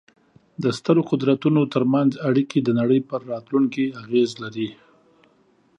د سترو قدرتونو ترمنځ اړیکې د نړۍ پر راتلونکې اغېز لري.